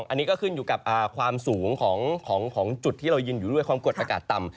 อันนี้ก็ขึ้นอยู่กับความสูงของจุดที่เรายืนอยู่ด้วยความกดอากาศต่ำ